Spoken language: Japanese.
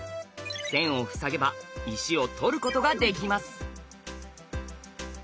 線を塞げば石を取ることができます。